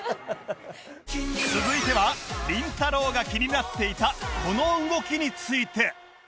続いてはりんたろー。が気になっていたこの動きについて